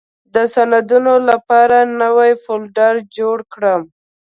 د سندونو لپاره نوې فولډر جوړه کړم.